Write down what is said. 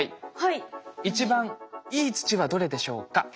いちばんいい土はどれでしょうか？